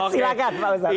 silahkan pak ustaz